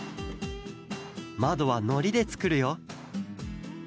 まどはのりでつくるよ。